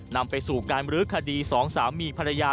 นำไปสู่การบริขดี๒สามีภรรยา